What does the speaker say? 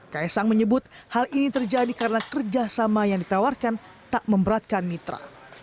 kaisang menyebut hal ini terjadi karena kerjasama yang ditawarkan tak memberatkan mitra